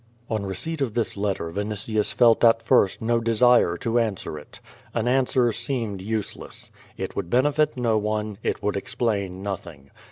On receipt of this letter Vinitius felt at first no desire to answer it. An answer seemed useless. It would benefit no one, it would explain nothing.